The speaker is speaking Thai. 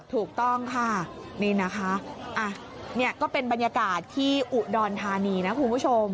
ถูกต้องค่ะนี่นะคะนี่ก็เป็นบรรยากาศที่อุดรธานีนะคุณผู้ชม